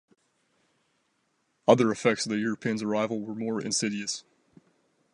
Other effects of the Europeans' arrival were more insidious.